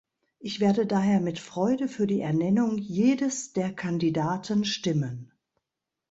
Ich werde daher mit Freude für die Ernennung jedes der Kandidaten stimmen.